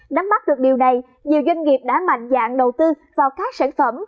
đắm mắt được điều này nhiều doanh nghiệp đã mạnh dạng đầu tư vào các sản phẩm